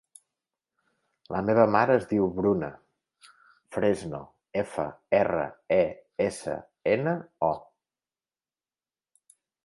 La meva mare es diu Bruna Fresno: efa, erra, e, essa, ena, o.